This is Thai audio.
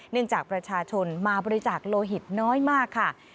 จากประชาชนมาบริจาคโลหิตน้อยมากค่ะ